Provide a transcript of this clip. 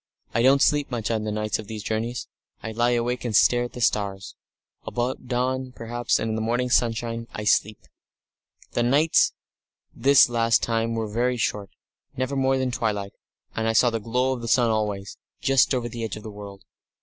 I don't sleep much at nights on these journeys; I lie awake and stare at the stars. About dawn, perhaps, and in the morning sunshine, I sleep! The nights this last time were very short, never more than twilight, and I saw the glow of the sun always, just over the edge of the world.